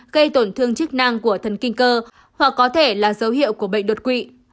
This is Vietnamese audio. gây tổn thương chức năng của thần kinh cơ hoặc có thể là dấu hiệu của bệnh đột quỵ